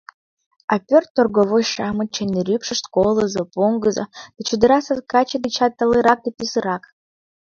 А пӧрт торговой-шамычын нерӱпшышт колызо, поҥгызо да чодыра саскаче дечат талырак да писырак.